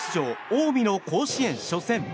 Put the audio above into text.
近江の甲子園初戦。